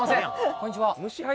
こんにちは